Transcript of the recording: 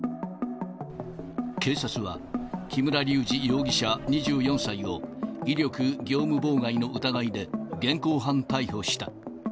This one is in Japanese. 警察は木村隆二容疑者２４歳を、威力業務妨害の疑いで現行犯逮捕した。